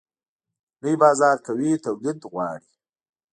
لوی بازار قوي تولید غواړي.